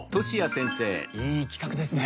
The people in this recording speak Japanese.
いい企画ですね！